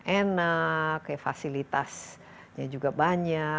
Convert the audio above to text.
enak fasilitasnya juga banyak